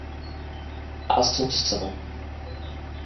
Assunção